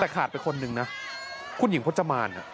แต่ขาดไปคนนึงนะคุณหญิงพจมาน